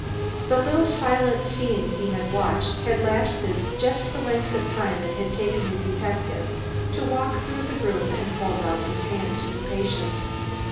The little silent scene he had watched had lasted just the length of time it had taken the detective to walk through the room and hold out his hand to the patient.